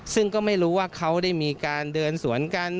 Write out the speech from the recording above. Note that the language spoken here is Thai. ซึ่งก็ไม่รู้ว่าเขาได้มีการเดินสวนกัน